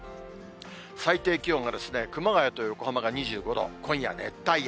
最低気温が熊谷と横浜が２５度、今夜、熱帯夜。